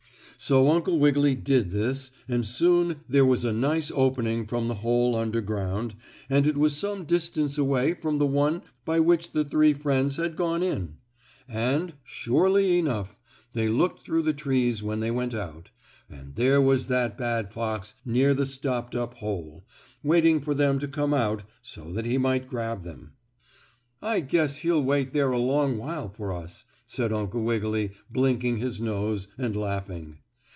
So Uncle Wiggily did this and soon there was a nice opening from the hole underground, and it was some distance away from the one by which the three friends had gone in. And, surely enough, they looked through the trees when they went out, and there was that bad fox near the stopped up hole, waiting for them to come out so that he might grab them. "I guess he'll wait there a long while for us," said Uncle Wiggily, blinking his nose, and laughing.